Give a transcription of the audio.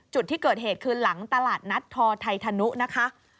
จุดที่เกิดเหตุคือหลังตลาดนัดทอไทยธนุนะคะ